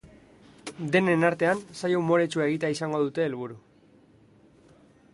Denen artean, saio umoretsua egitea izango dute helburu.